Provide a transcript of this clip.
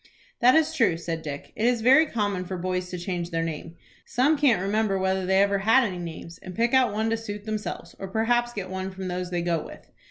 "That is true," said Dick. "It is very common for boys to change their name. Some can't remember whether they ever had any names, and pick one out to suit themselves, or perhaps get one from those they go with.